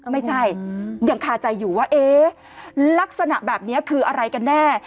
ไม่ใช่ยังคาใจอยู่ว่าเอ๊ะลักษณะแบบนี้คืออะไรกันแน่